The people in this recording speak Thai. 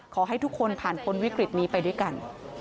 ขอให้ทุกคนผ่านพ้นวิกฤตนี้ไปด้วยกัน